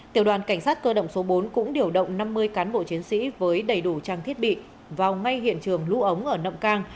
tiểu đoàn cảnh sát cơ động số bốn cũng điều động năm mươi cán bộ chiến sĩ với đầy đủ trang thiết bị vào ngay hiện trường lũ ống ở nậm cang